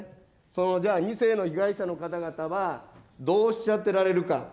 そのじゃあ、２世の被害者の方々はどうおっしゃっておられるか。